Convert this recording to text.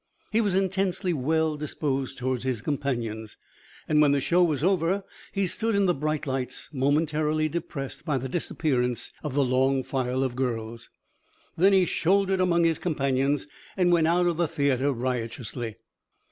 He was intensely well disposed toward his companions. When the show was over, he stood in the bright lights, momentarily depressed by the disappearance of the long file of girls. Then he shouldered among his companions and went out of the theatre riotously.